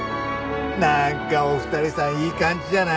なんかお二人さんいい感じじゃない？